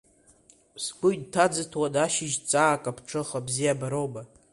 Сгәы инҭаӡыҭуан ашьыжь ҵаак аԥҽыха, бзиабароума…